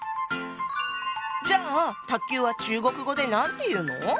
じゃあ卓球は中国語で何て言うの？